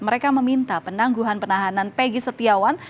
mereka meminta penangguhan penahanan pegi setiawan